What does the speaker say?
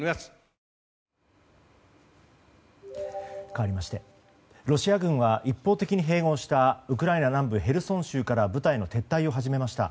かわりましてロシア軍は、一方的に併合したウクライナ南部ヘルソン州から撤退を始めました。